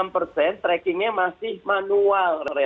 delapan puluh enam persen trackingnya masih manual